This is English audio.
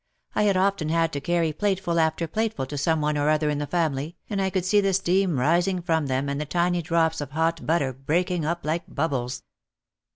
I had often had to carry plateful after plateful to some one or other in the family, and I could see the steam rising from them and the tiny drops of hot butter breaking up like bubbles.